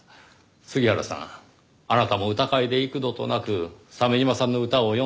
杉原さんあなたも歌会で幾度となく鮫島さんの歌を詠んでいますよね。